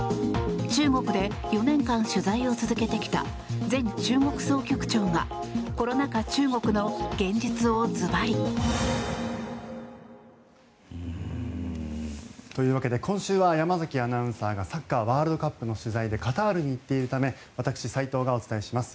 中国で４年間取材を続けてきた前中国総局長がコロナ禍中国の現実をずばり。というわけで今週は山崎アナウンサーがサッカーワールドカップの取材でカタールに行っているため私、斎藤がお伝えします。